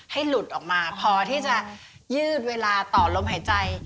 หลุดออกมาพอที่จะยืดเวลาต่อลมหายใจ